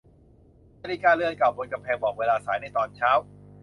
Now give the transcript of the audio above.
นาฬิกาเรือนเก่าบนกำแพงบอกเวลาสายในตอนเช้า